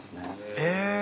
え？